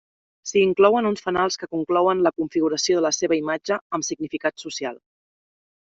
S'hi inclouen uns fanals que conclouen la configuració de la seva imatge, amb significat social.